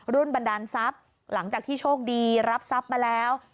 บันดาลทรัพย์หลังจากที่โชคดีรับทรัพย์มาแล้ว